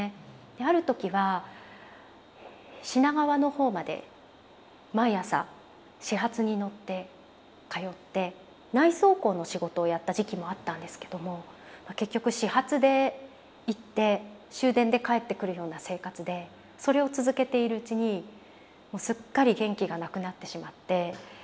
である時は品川の方まで毎朝始発に乗って通って内装工の仕事をやった時期もあったんですけども結局始発で行って終電で帰ってくるような生活でそれを続けているうちにもうすっかり元気がなくなってしまって。